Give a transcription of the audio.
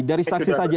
dari saksi saja